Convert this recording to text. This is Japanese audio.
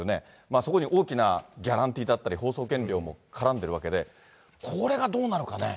そこに大きなギャランティーだったり、放送権料も絡んでるわけで、これがどうなるかね。